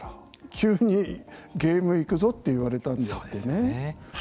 急にゲームいくぞって言われたんであってね。